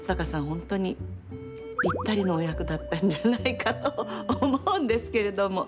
本当に、ぴったりのお役だったんじゃないかと思うんですけれども。